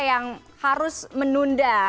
yang harus menunda